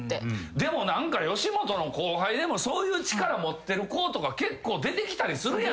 でも吉本の後輩でもそういう力持ってる子とか結構出てきたりするやん。